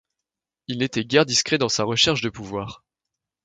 Il n'était guère discret dans sa recherche du pouvoir.